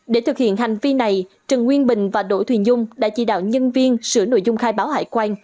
để thực hiện hành vi này trần nguyên bình và đỗ thuyền dung đã chỉ đạo nhân viên sửa nội dung khai báo hải quan